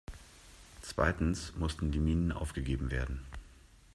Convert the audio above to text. Zweitens mussten die Minen aufgegeben werden.